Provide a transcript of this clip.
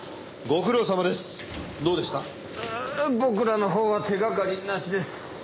僕らのほうは手掛かりなしです。